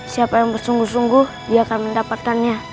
siapa yang bersungguh sungguh dia akan mendapatkannya